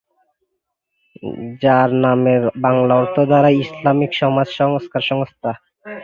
যার নামের বাংলা অর্থ দাঁড়ায় ইসলামী সমাজ সংস্কার সংস্থা।